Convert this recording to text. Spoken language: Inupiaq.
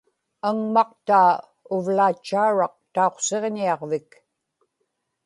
aŋmaqtaa uvlaatchauraq tauqsiġñiaġvik